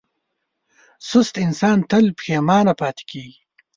سست انسان تل پښېمانه پاتې کېږي.